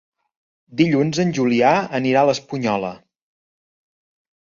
Dilluns en Julià anirà a l'Espunyola.